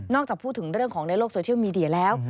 จากพูดถึงเรื่องของในโลกโซเชียลมีเดียแล้ว